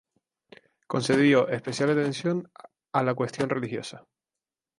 Concedió especial atención a la cuestión religiosa.